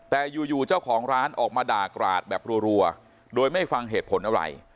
แต่อยู่เจ้าของร้านออกมาด่ากราดแบบรัวโดยไม่ฟังเหตุผลอะไร